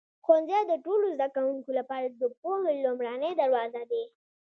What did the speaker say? ښوونځی د ټولو زده کوونکو لپاره د پوهې لومړنی دروازه دی.